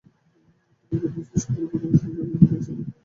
তিনি কেমব্রিজ বিশ্ববিদ্যালয়ের ভৌত রসায়ন বিভাগের প্রধান ছিলেন।